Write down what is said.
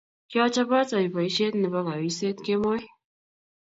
Kiachopot aip boisyet nebo kauiseet kemoi.